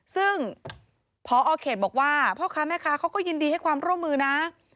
ซึ่งพอเขตบอกว่าพ่อค้าแม่ค้าเขาก็ยินดีให้ความร่วมมือนะ